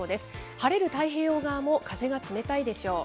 晴れる太平洋側も風が冷たいでしょう。